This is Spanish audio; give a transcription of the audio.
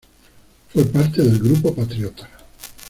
Fue parte del grupo patriota.